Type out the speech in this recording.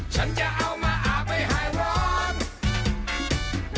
ฉันจะเอามาอาบให้หายร้อน